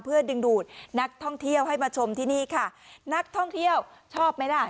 เพื่อดึงดูดนักท่องเที่ยวให้มาชมที่นี่ค่ะนักท่องเที่ยวชอบไหมล่ะ